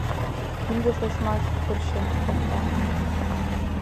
Кинде шочмаш пырчым покта.